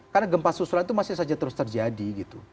karena gempa susulan itu masih saja terus terjadi gitu